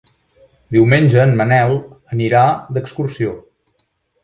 Diumenge en Manel anirà d'excursió.